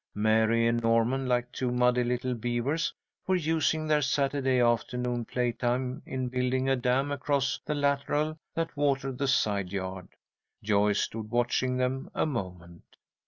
Mary and Norman, like two muddy little beavers, were using their Saturday afternoon playtime in building a dam across the lateral that watered the side yard. Joyce stood watching them a moment.